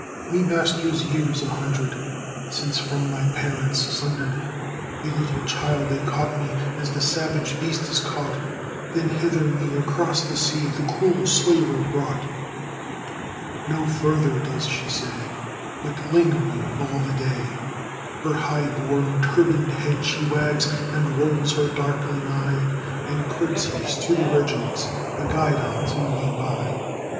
_Me master years a hundred since from my parents sunder'd, A little child, they caught me as the savage beast is caught, Then hither me across the sea the cruel slaver brought._ No further does she say, but lingering all the day, Her high borne turban'd head she wags, and rolls her darkling eye, And courtesies to the regiments, the guidons moving by.